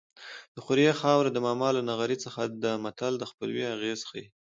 د خوریي خاوره د ماما له نغري څخه ده متل د خپلوۍ اغېز ښيي